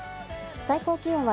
最高気温は